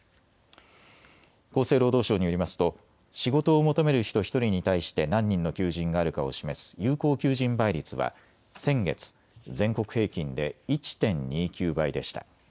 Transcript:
厚生労働省によりますと仕事を求める人１人に対して何人の求人があるかを示す有効求人倍率は先月、全国平均で１．２９倍でした。